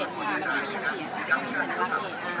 สวัสดีครับ